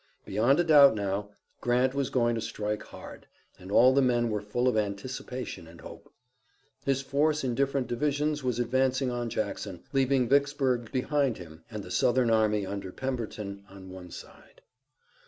Beyond a doubt now Grant was going to strike hard, and all the men were full of anticipation and hope. His force in different divisions was advancing on Jackson, leaving Vicksburg behind him and the Southern army under Pemberton on one side.